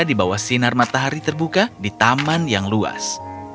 di bawah sinar matahari terbuka di taman yang luas